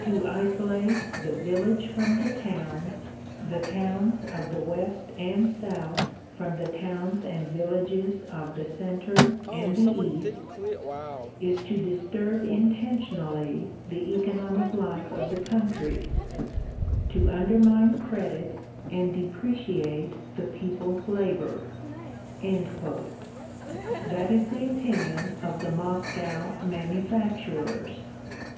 To isolate the village from the town, the towns of the West and South from the towns and villages of the Centre and the East, is to disturb intentionally the economic life of the country, to undermine credit and depreciate the people's labour." That is the opinion of the Moscow manufacturers.